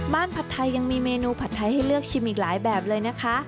ผัดไทยยังมีเมนูผัดไทยให้เลือกชิมอีกหลายแบบเลยนะคะ